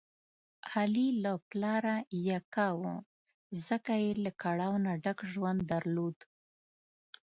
علي له پلاره یکه و، ځکه یې له کړاو نه ډک ژوند درلود.